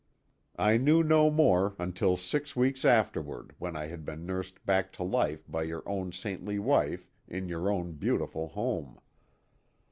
I knew no more until six weeks afterward, when I had been nursed back to life by your own saintly wife in your own beautiful home.